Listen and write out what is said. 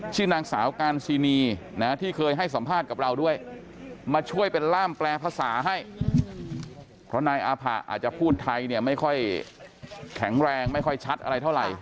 ชื่อนางสาวการซีนีนะที่เคยให้สัมภาษณ์กับเราด้วยมาช่วยเป็นล่ามแปลภาษาให้เพราะนายอาผะอาจจะพูดไทยเนี่ยไม่ค่อยแข็งแรงไม่ค่อยชัดอะไรเท่าไหร่